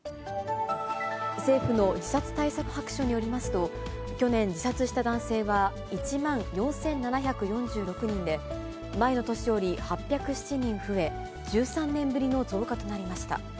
政府の自殺対策白書によりますと、去年自殺した男性は１万４７４６人で、前の年より８０７人増え、１３年ぶりの増加となりました。